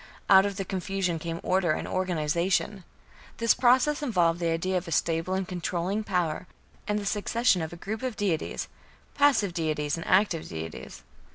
Out of the confusion came order and organization. This process involved the idea of a stable and controlling power, and the succession of a group of deities passive deities and active deities.